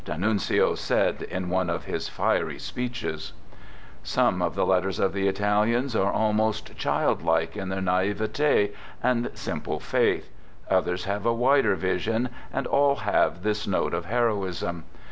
D'Annunzio said in one of his fiery speeches. 9 Digitized by io "THE GOOD SOLDIER" Some of the letters of the Italians are almost child like in their naivete and simple faith ; others have a wider vision, and all have this note of heroism.